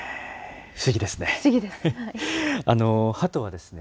不思議ですね。